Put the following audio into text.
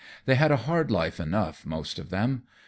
They had a hard life enough, most of them.